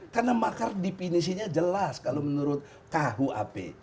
karena makar definisinya jelas kalau menurut kahuap